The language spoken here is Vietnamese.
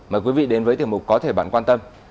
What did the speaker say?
mời quý vị đến với tiểu mục có thể bạn quan tâm